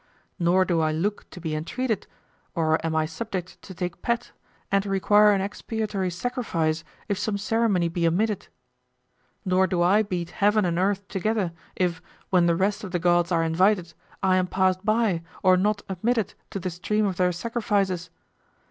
Nor do I look to be entreated, or am I subject to take pet, and require an expiatory sacrifice if some ceremony be omitted. Nor do I beat heaven and earth together if, when the rest of the gods are invited, I am passed by or not admitted to the stream of their sacrifices.